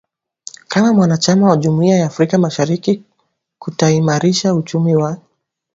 kama mwanachama wa jumuia ya Afrika mashariki kutaimarisha uchumi wa